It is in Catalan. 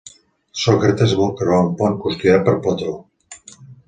Sòcrates vol creuar un pont custodiat per Plató.